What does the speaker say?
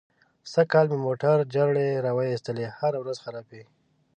سږ کال مې موټر جرړې را و ایستلې. هره ورځ خراب وي.